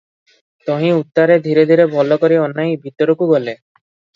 ତହିଁ ଉତ୍ତାରେ ଧୀରେ ଧୀରେ ଭଲ କରି ଅନାଇ ଭିତରକୁ ଗଲେ ।